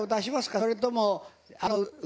それとも。